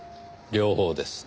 両方です。